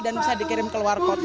dan bisa dikirim ke luar kota